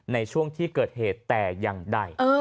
ในช่วงที่เกิดเหตุแต่อย่างใด